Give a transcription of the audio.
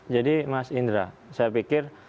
jadi mas indra saya pikir